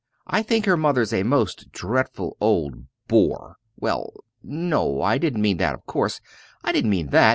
I think her mother's a most dreadful old bore well, no, I didn't mean that of course I didn't mean that!